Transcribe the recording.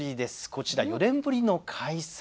こちら４年ぶりの開催